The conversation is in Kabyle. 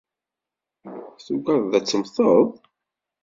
tuggadeḍ ad temteḍ?